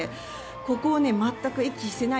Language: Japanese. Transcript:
ここを全く息していない。